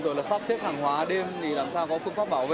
rồi là sắp xếp hàng hóa đêm thì làm sao có phương pháp bảo vệ